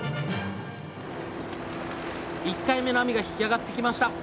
１回目の網が引き上がってきました。